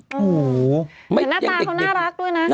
เหมือนหน้าตาเค้าน่ารักด้วยนะ